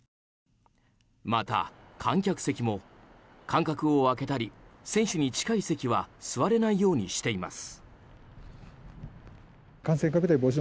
また、観客席も間隔を空けたり選手に近い席は座れないようにしています。